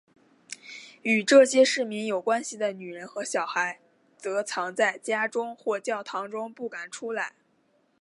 与这些市民有关系的女人和小孩则藏在家中或教堂中不敢出来。